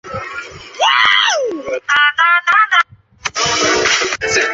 让望远镜可以看见更为详细的天文图像信息。